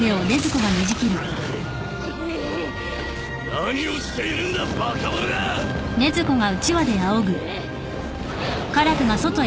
何をしているんだバカ者が！あっ！